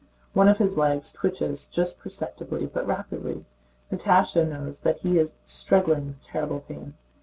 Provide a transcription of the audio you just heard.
One of his legs twitches just perceptibly, but rapidly. Natásha knows that he is struggling with terrible pain.